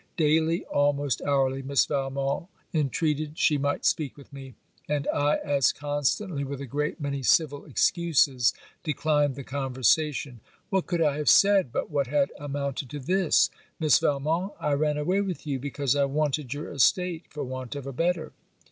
Daily almost hourly Miss Valmont intreated she might speak with me, and I as constantly with a great many civil excuses declined the conversation. What could I have said but what had amounted to this: 'Miss Valmont, I ran away with you, because I wanted your estate, for want of a better.